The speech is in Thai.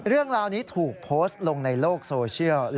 เรื่องราวนี้ถูกโพสต์ลงในโลกโซเชียล